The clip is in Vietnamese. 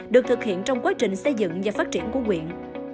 được thực hiện trong quá trình xây dựng và phát triển của quyện